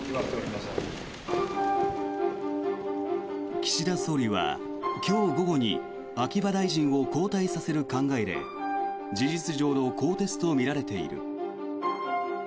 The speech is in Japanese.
岸田総理は今日午後に秋葉大臣を交代させる考えで事実上の更迭とみられている。